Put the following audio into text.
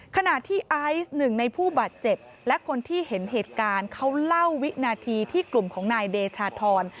ขณะที่ไอซ์หนึ่งในผู้บาดเจ็บและคนที่เห็นเหตุการณ์เขาเล่าวินาทีที่กลุ่มของนายเดชาธร